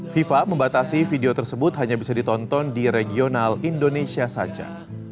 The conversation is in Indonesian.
fifa membatasi video tersebut hanya bisa ditonton di regional indonesia saja